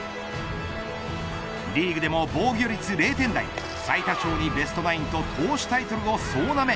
リーグでも防御率０点台最多勝にベストナインと投手タイトルを総なめ。